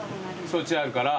そっちあるから。